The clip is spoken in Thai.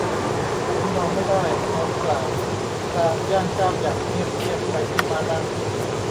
ผมบอกไม่ได้ เขากล่าวพลางย่างก้าวอย่างเงียบเชียบไปที่ม้านั่ง